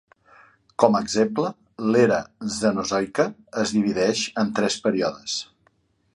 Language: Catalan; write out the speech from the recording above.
Com a exemple: l'Era Cenozoica es divideix en tres períodes: